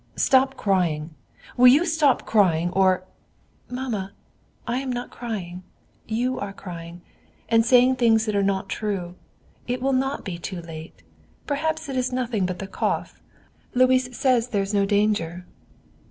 Stop crying! will you stop crying, or " "Mamma, I am not crying; you are crying, and saying things that are not true. It will not be too late; perhaps it is nothing but the cough. Louis says there is no danger."